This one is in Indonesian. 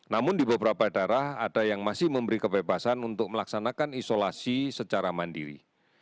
namun di beberapa daerah ada yang masih memberi kebebasan untuk melaksanakan isolasi secara mandiri